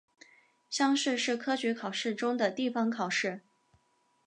乡试是科举考试中的地方考试。